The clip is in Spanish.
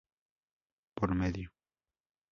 Por medio